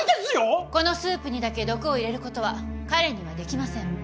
このスープにだけ毒を入れることは彼にはできません。